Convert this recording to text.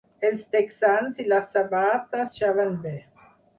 Els texans i les sabates ja van bé.